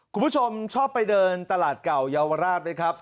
คุณผู้ชมชอบไปเดินตลาดเก่าเยาวราชไหมครับ